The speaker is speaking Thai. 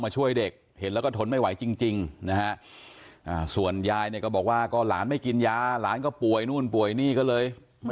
ก็จะทำยังไงแล้วก็เวลาเมตรขาดไปแล้วเนอะ